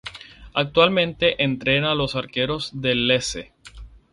Actualmente entrena a los arqueros del Lecce.